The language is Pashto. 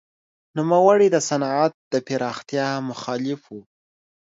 نوموړی د صنعت د پراختیا مخالف و.